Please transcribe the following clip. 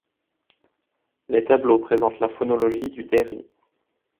Les tableaux présentent la phonologie du dairi.